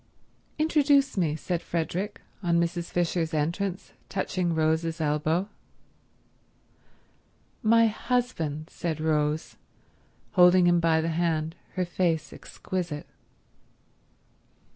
"Introduce me," said Frederick on Mrs. Fisher's entrance, touching Rose's elbow. "My husband," said Rose, holding him by the hand, her face exquisite.